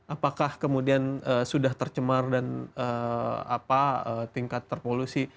apakah kemudian sudah tercemar dan tingkat terpolusi